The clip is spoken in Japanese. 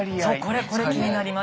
これこれ気になります。